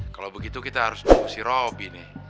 kalau begitu kita harus tunggu si robi nih